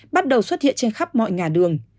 bắt đầu xuất hiện trên khắp mọi ngà đường